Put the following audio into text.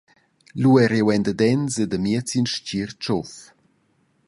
Lu erel jeu endadens ed amiez in stgir tschuf.